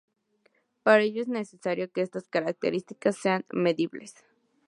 Para ello es necesario que estas características sean medibles.